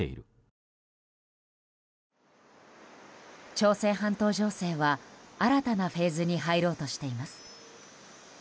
朝鮮半島情勢は、新たなフェーズに入ろうとしています。